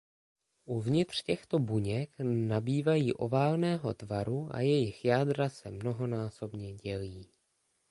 Uvnitř těchto buněk nabývají oválného tvaru a jejích jádra se mnohonásobně dělí.